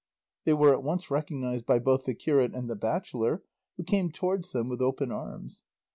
They were at once recognised by both the curate and the bachelor, who came towards them with open arms.